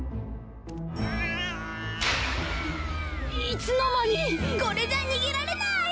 いつのまに⁉これじゃにげられない！